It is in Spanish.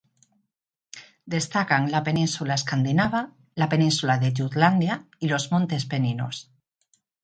Destacan la península Escandinava, la península de Jutlandia y los montes Peninos.